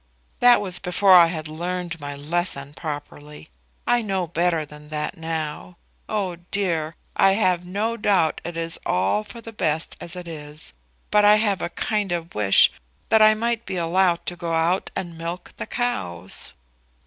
"That was before I had learned my lesson properly. I know better than that now. Oh dear! I have no doubt it is all for the best as it is, but I have a kind of wish that I might be allowed to go out and milk the cows."